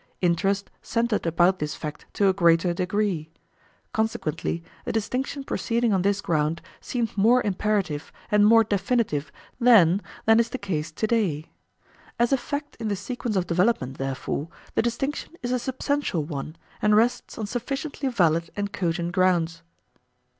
Interest centred about this fact to a greater degree. Consequently a distinction proceeding on this ground seemed more imperative and more definitive then than is the case to day. As a fact in the sequence of development, therefore, the distinction is a substantial one and rests on sufficiently valid and cogent grounds.